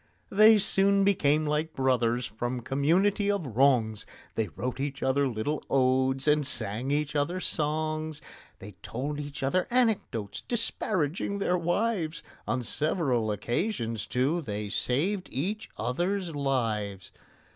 They soon became like brothers from community of wrongs: They wrote each other little odes and sang each other songs; They told each other anecdotes disparaging their wives; On several occasions, too, they saved each other's lives.